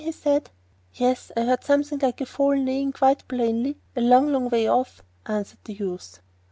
he said. 'Yes; I heard something like a foal neighing quite plainly a long, long way off,' answered the youth.